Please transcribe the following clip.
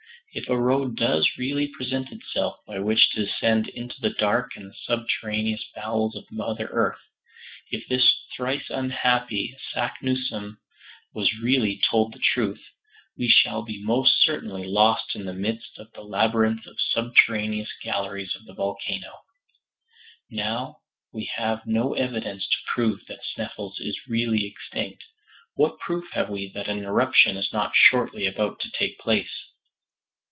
If a road does really present itself by which to descend into the dark and subterraneous bowels of Mother Earth, if this thrice unhappy Saknussemm has really told the truth, we shall be most certainly lost in the midst of the labyrinth of subterraneous galleries of the volcano. Now, we have no evidence to prove that Sneffels is really extinct. What proof have we that an eruption is not shortly about to take place?